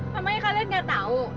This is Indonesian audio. namanya kalian nggak tahu